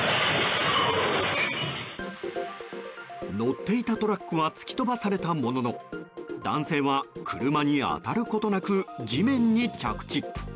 乗っていたトラックは突き飛ばされたものの男性は車に当たることなく地面に着地。